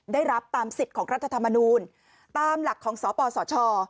ได้รับตามสิทธิ์ของรัฐธรรมนูลตามหลักของสปสช